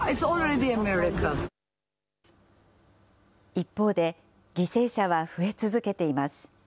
一方で、犠牲者は増え続けています。